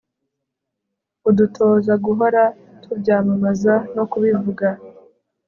udutoza guhora tubyamamaza no kubivuga